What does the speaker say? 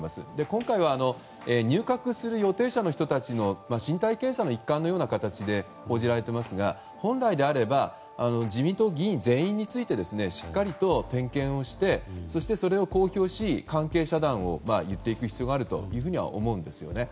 今回は入閣する予定者の人たちの身体検査の一環のような形で報じられていますが本来であれば自民党議員全員についてしっかりと点検をしてそしてそれを公表し関係遮断を言っていく必要があると思います。